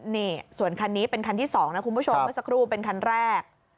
นี่ส่วนคันนี้เป็นคันที่๒นะคุณผู้ชมเมื่อสักครู่เป็นคันแรก